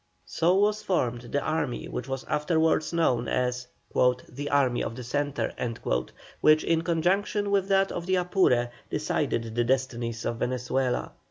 So was formed the army which was afterwards known as "the Army of the Centre," which, in conjunction with that of the Apure, decided the destinies of Venezuela.